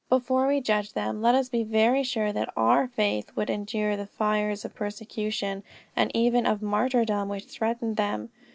Before we judge them, let us be very sure that our faith would endure the fires of persecution and even of martyrdom which threatened them.